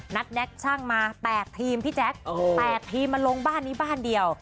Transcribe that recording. แน็กช่างมา๘ทีมพี่แจ๊ค๘ทีมมาลงบ้านนี้บ้านเดียว